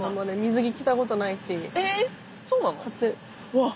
わっ！